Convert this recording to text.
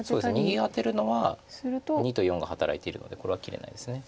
右アテるのは②と④が働いているのでこれは切れないです。